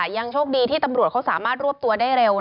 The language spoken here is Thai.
ยังโชคดีที่ตำรวจเขาสามารถรวบตัวได้เร็ว